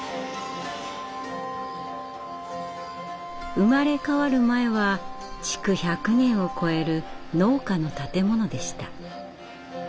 生まれ変わる前は築１００年を超える農家の建物でした。